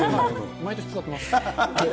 毎年使ってます。